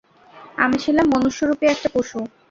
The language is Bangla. আমি ছিলাম মনুষ্যরুপী একটা পশু।